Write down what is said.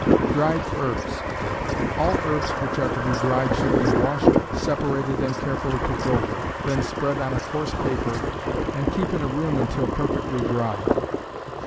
Dried Herbs. All herbs which are to be dried should be washed, separated, and carefully picked over, then spread on a coarse paper and keep in a room until perfectly dry.